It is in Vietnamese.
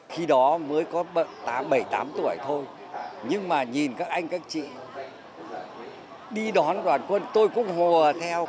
khi đó mới có bảy tám tuổi thôi nhưng mà nhìn các anh các chị đi đón đoàn quân tôi cũng hồ theo